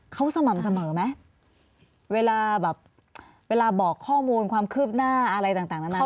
เขาสม่ำเสมอไหมเวลาแบบเวลาบอกข้อมูลความคืบหน้าอะไรต่างนานา